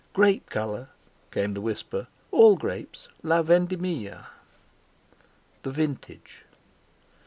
"Grape colour," came the whisper, "all grapes—La Vendimia—the vintage."